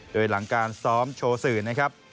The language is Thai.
โดยหลังการซ้อมโชสึนะครับ